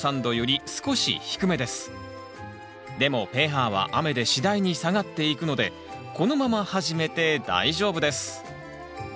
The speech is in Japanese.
でもｐＨは雨で次第に下がっていくのでこのまま始めて大丈夫です